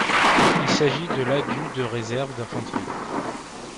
Il s'agit de la du de réserve d'infanterie.